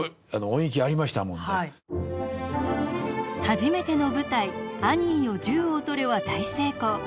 初めての舞台「アニーよ銃をとれ」は大成功。